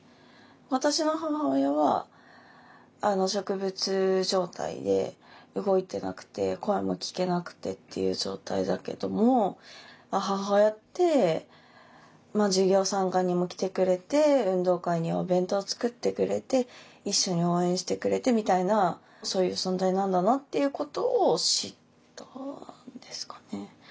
私の母親は植物状態で動いてなくて声も聞けなくてっていう状態だけども母親って授業参観にも来てくれて運動会にお弁当作ってくれて一緒に応援してくれてみたいなそういう存在なんだなっていうことを知ったんですかね。